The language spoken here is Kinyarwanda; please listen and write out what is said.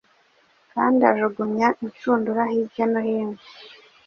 Kandi Ajugunya inshundura hirya no hino